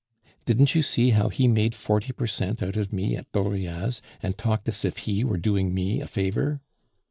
Didn't you see how he made forty per cent out of me at Dauriat's, and talked as if he were doing me a favor?